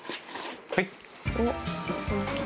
はい。